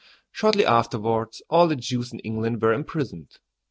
Shortly afterwards all the Jews in England were imprisoned.